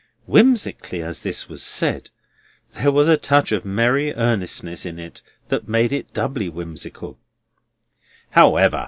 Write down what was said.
Whimsically as this was said, there was a touch of merry earnestness in it that made it doubly whimsical.